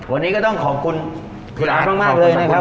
วันนี้ก็ต้องขอบคุณพี่หลานมากเลยนะครับ